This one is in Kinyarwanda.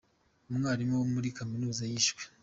Umwarimu wo muri kaminuza yishwe